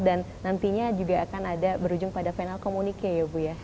dan nantinya juga akan ada berujung pada final communique ya bu ya